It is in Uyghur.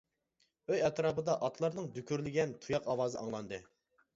ئۆي ئەتراپىدا ئاتلارنىڭ دۈكۈرلىگەن تۇياق ئاۋازى ئاڭلاندى.